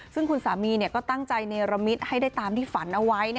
ซึ่งคุณสามีก็ตั้งใจเนรมิตให้ได้ตามที่ฝันเอาไว้